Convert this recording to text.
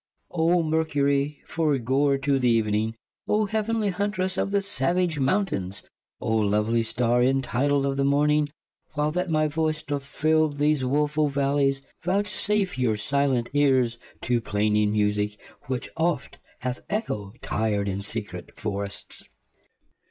0 Mercurie, foregoer to the event ng y 0 heavenlie huntresse of the savage mountaines y 0 lovelie starre y entitled of the morntng y While that my voice doth fill these wo full v allies y Vouchsafe your silent eares to plaining musique y Which oft hath Echo tir'd in secrete forrests.